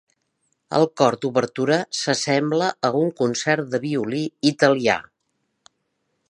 El cor d'obertura s'assembla a un concert de violí italià.